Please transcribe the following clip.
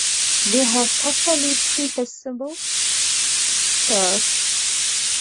They have partially prehensile tails.